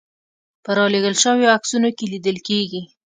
په رالېږل شویو عکسونو کې لیدل کېږي.